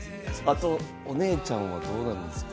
お姉ちゃんはどうなるんですか？